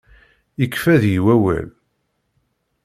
Yekfa deg-i wawal.